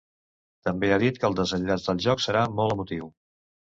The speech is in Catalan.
També ha dit que el desenllaç del joc serà molt emotiu.